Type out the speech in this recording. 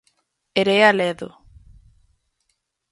Erea Ledo.